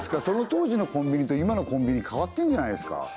その当時のコンビニと今のコンビニ変わってるんじゃないですか？